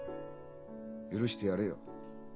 許してやれよ。